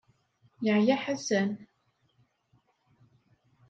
Yeɛya Ḥasan.